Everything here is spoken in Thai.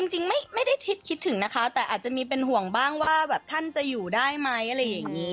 จริงไม่ได้คิดคิดถึงนะคะแต่อาจจะมีเป็นห่วงบ้างว่าแบบท่านจะอยู่ได้ไหมอะไรอย่างนี้